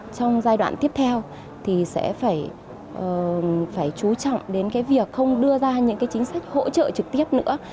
trong giai đoạn tiếp theo thì sẽ phải chú trọng đến cái việc không đưa ra những cái chính sách hỗ trợ trực tiếp nữa